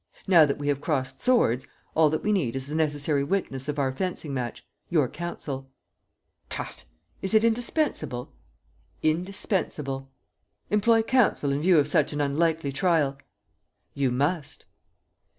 Now that we have crossed swords, all that we need is the necessary witness of our fencing match, your counsel." "Tut! Is it indispensable?" "Indispensable." "Employ counsel in view of such an unlikely trial?" "You must."